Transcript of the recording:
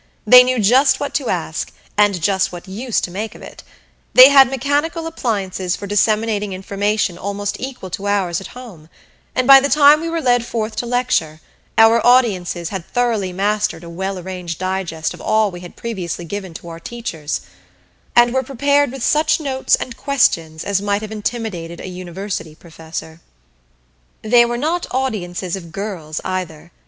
They knew just what to ask, and just what use to make of it; they had mechanical appliances for disseminating information almost equal to ours at home; and by the time we were led forth to lecture, our audiences had thoroughly mastered a well arranged digest of all we had previously given to our teachers, and were prepared with such notes and questions as might have intimidated a university professor. They were not audiences of girls, either.